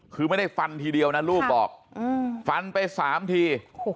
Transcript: คือไม่ได้ฟันทีเดียวนะลูกบอกฟันไป๓ที